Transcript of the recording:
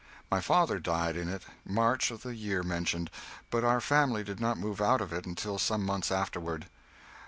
My father died in it in March of the year mentioned, but our family did not move out of it until some months afterward.